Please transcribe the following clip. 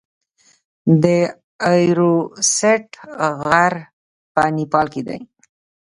د ایورسټ غر په نیپال کې دی.